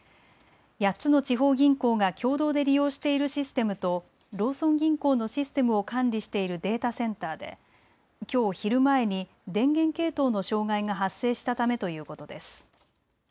８つの地方銀行が共同で利用しているシステムとローソン銀行のシステムを管理しているデータセンターできょう昼前に電源系統の障害が発生したためということです。